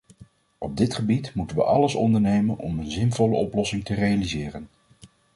Op dit gebied moeten we alles ondernemen om een zinvolle oplossing te realiseren!